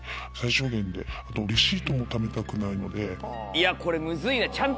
いやこれムズいな。